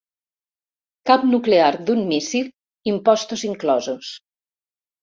Cap nuclear d'un míssil, impostos inclosos.